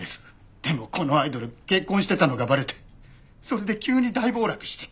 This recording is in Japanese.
でもこのアイドル結婚してたのがバレてそれで急に大暴落して。